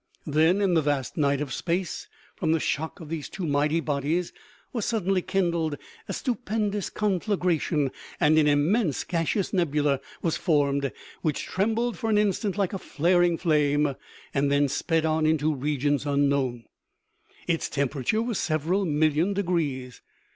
Then in the vast night of space, from the shock of these two mighty bodies was suddenly kindled a stupen dous conflagration, and an immense gaseous nebula was formed, which trembled for an instant like a flaring flame, and then sped on into regions unknown. Its tem perature was several million degrees.